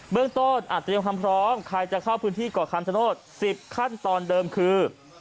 เรื่องต้นอาจเตรียมความพร้อมใครจะเข้าพื้นที่เกาะคำชโนธ๑๐ขั้นตอนเดิมคือ